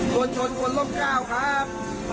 คนชนคนร่มก้าวครับ